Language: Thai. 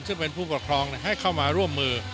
ซึ่งเป็นผู้ปกครองให้เข้ามาร่วมมือ